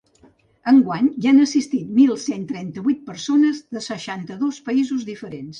Enguany hi han assistit mil cent trenta-vuit persones de seixanta-dos països diferents.